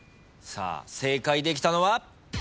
正解できたのは。